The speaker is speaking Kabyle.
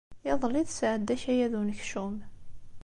Iḍelli i tesɛedda akayad n unekcum.